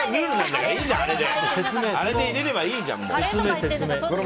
あれで入れればいいじゃん。